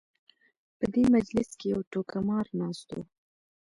په دې مجلس کې یو ټوکه مار ناست و.